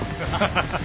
ハハハハ。